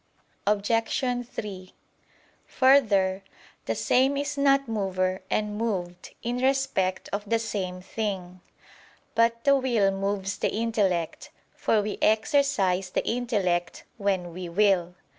Obj. 3: Further, the same is not mover and moved in respect of the same thing. But the will moves the intellect; for we exercise the intellect when we will.